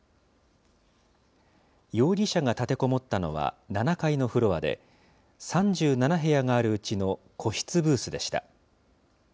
容疑者が立てこもったのは、７階のフロアで、３７部屋があるうちの個室ブースでした。